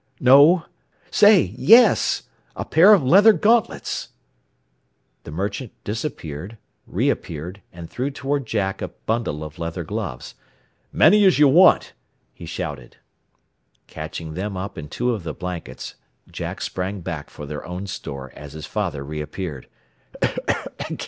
"No Say, yes! A pair of leather gauntlets." The merchant disappeared, reappeared, and threw toward Jack a bundle of leather gloves. "Many as you want," he shouted. Catching them up and two of the blankets, Jack sprang back for their own store as his father reappeared.